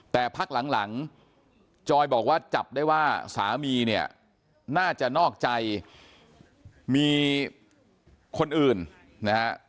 แต่พักหลังหลังจอยบอกว่าจับได้ว่าสามีเนี่ยน่าจะนอกใจมีคนอื่นนะฮะ